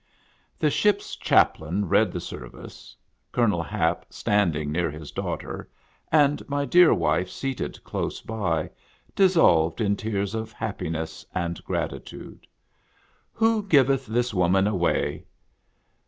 The ship's chaplain read the service. Colonel Hap standing near his daughter, and my dear wife seated close by, dissolved in tears of happiness and grati tude. " Who giveth this woman away